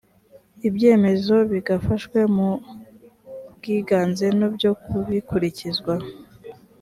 ibyemezo bigafashwe mu bwiganze nibyobikurikizwa.